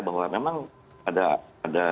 bahwa memang ada